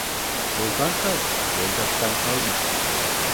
Yoldan kal, yoldaştan kalma.